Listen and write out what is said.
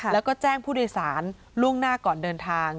แล้วก็แจ้งผู้โดยสารล่วงหน้าก่อนเดินทาง